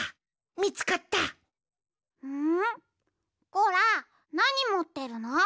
ゴラなにもってるの？